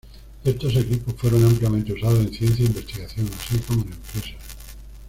Estos equipos fueron ampliamente usados en ciencia e investigación, así como en empresas.